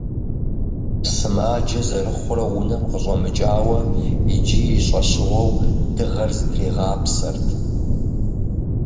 Сымаджэ зэрыхъурэ унэм къыщӏэмыкӏауэ, иджы и щӏэщыгъуэу дыгъэр зытригъапсэрт.